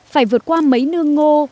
phải vượt qua mấy nương ngô